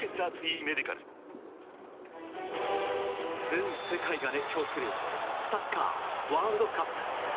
全世界が熱狂するサッカーワールドカップ。